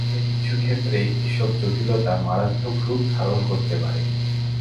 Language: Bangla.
তবে কিছু ক্ষেত্রে এসব জটিলতা মারাত্মক রূপ ধারণ করতে পারে।